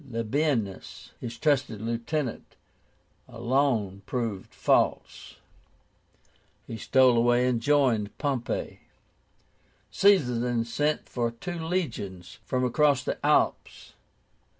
LABIENUS, his trusted lieutenant, alone proved false. He stole away, and joined Pompey. Caesar then sent for two legions from across the Alps.